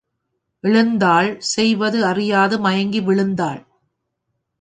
எழுந்தாள் செய்வது அறியாது மயங்கி விழுந்தாள்.